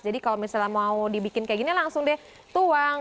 jadi kalau misalnya mau dibikin kayak gini langsung deh tuang